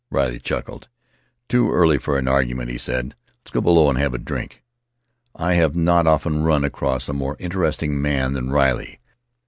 Riley chuckled. "Too early for an argument," he said. "Let's go below and have a drink." I have not often run across a more interesting man A Memory of Mauke than Riley.